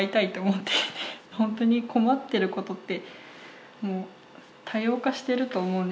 本当に困ってることって多様化してると思うんですよね。